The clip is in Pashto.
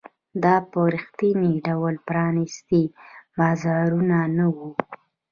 دا په رښتیني ډول پرانیستي بازارونه نه وو.